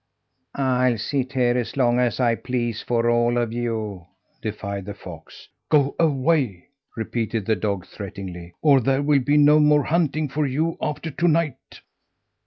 "I'll sit here as long as I please for all of you!" defied the fox. "Go away!" repeated the dog threateningly, "or there will be no more hunting for you after to night."